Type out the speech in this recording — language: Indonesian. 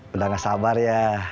udah gak sabar ya